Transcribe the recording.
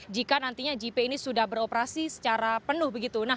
jika nantinya jip ini sudah beroperasi secara penuh begitu